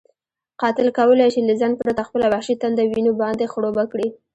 قاتل کولی شي له ځنډ پرته خپله وحشي تنده وینو باندې خړوبه کړي.